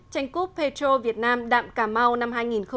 tranh cúp petro việt nam đạm cà mau năm hai nghìn một mươi chín